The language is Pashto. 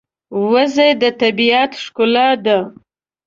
وزې د طبیعت ښکلا ده